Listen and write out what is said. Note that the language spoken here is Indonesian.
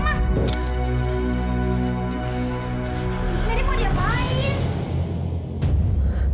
nanti mau diam main